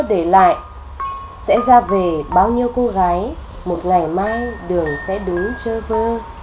đường xưa để lại sẽ ra về bao nhiêu cô gái một ngày mai đường sẽ đúng chơ vơ